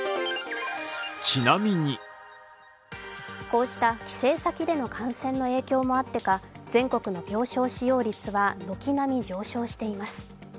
こうした帰省先での感染の影響もあってか全国の病床使用率は軒並み上昇しています。